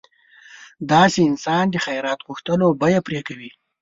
داسې انسان د خیرات غوښتلو بیه پرې کوي.